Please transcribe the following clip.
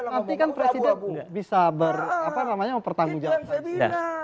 nanti kan presiden bisa bertanggung jawab